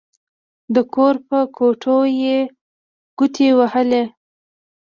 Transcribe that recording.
د کور په کوټو يې ګوتې ووهلې.